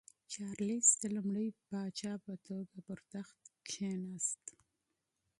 چارلېس د لومړي پاچا په توګه پر تخت کېناست.